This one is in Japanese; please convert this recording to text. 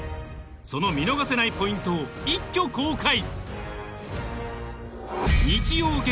その見逃せないポイントを一挙公開！